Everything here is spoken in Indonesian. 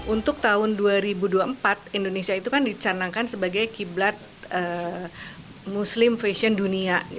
untuk tahun dua ribu dua puluh empat indonesia itu kan dicanangkan sebagai kiblat muslim fashion dunia